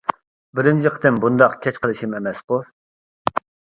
بىرىنچى قېتىم بۇنداق كەچ قېلىشىم ئەمەسقۇ!